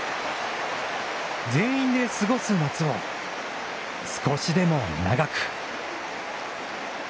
全員で過ごす夏を、少しでも長く。